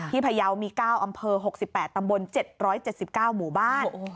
พยาวมี๙อำเภอ๖๘ตำบล๗๗๙หมู่บ้าน